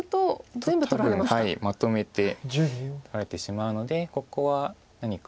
多分まとめて取られてしまうのでここは何か。